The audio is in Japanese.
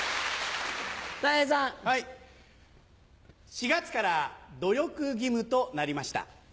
４月から努力義務となりました。